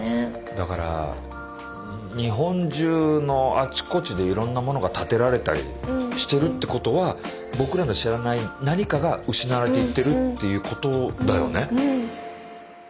だから日本中のあっちこっちでいろんなものが建てられたりしてるってことは僕らの知らない何かが失われていってるっていうことだよね。